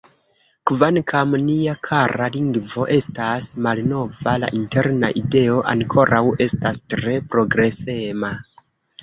Kvankam nia kara lingvo estas malnova, la interna ideo ankoraŭ estas tre progresema.